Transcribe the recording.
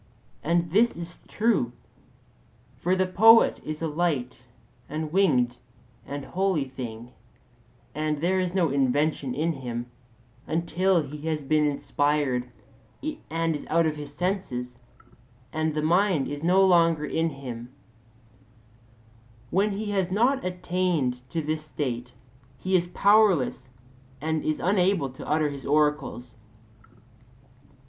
And this is true. For the poet is a light and winged and holy thing, and there is no invention in him until he has been inspired and is out of his senses, and the mind is no longer in him: when he has not attained to this state, he is powerless and is unable to utter his oracles.